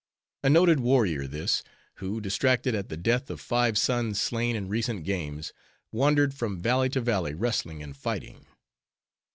A noted warrior this; who, distracted at the death of five sons slain in recent games, wandered from valley to valley, wrestling and fighting.